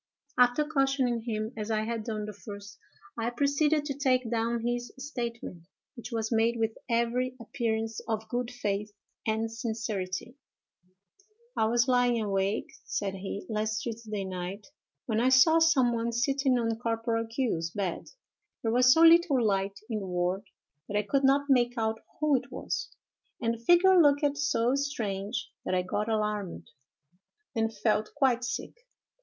"After cautioning him, as I had done the first, I proceeded to take down his statement, which was made with every appearance of good faith and sincerity:— "'I was lying awake,' said he, 'last Tuesday night, when I saw some one sitting on Corporal Q——'s bed. There was so little light in the ward, that I could not make out who it was, and the figure looked so strange that I got alarmed, and felt quite sick.